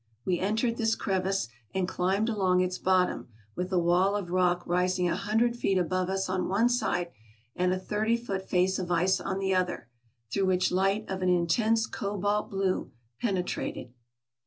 We entered this crevice and climbed along its bottom, with a wall of rock rising a hundred feet above us on one side and a thirty foot face of ice on the other, through which light oi an intense cobalt blue penetrated.